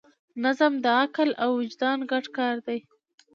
نظم د عقل او وجدان ګډ کار دی.